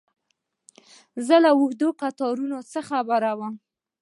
زه له اوږدو کتارونو څه خبر وم.